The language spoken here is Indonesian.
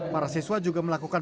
para siswa juga melakukan